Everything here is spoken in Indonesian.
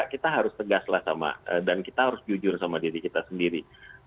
kita harus tegaslah sama dan kita harus jujur sama diri kita sendiri